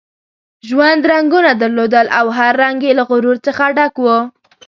ژوند رنګونه درلودل او هر رنګ یې له غرور څخه ډک وو.